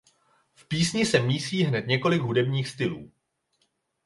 V písni se mísí hned několik hudebních stylů.